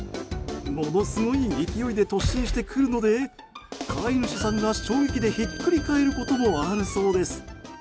ものすごい勢いで突進してくるので飼い主さんが衝撃でひっくり返ることもあるそうです。